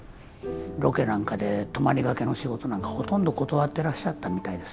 ロケなんかで泊まりがけの仕事なんかほとんど断ってらっしゃったみたいですよ。